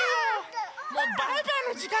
もうバイバイのじかんだよ。